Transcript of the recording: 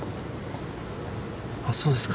あっそうですか。